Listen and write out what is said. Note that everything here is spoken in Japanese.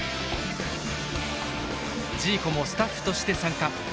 ジーコもスタッフとして参加。